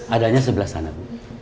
adanya sebelah sana bu